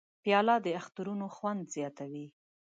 پیاله د اخترونو خوند زیاتوي.